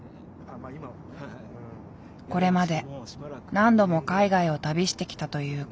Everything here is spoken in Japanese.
これまで何度も海外を旅してきたという彼。